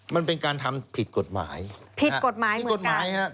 มันเป็นการทำผิดกฎหมายผิดกฎหมายเหมือนกัน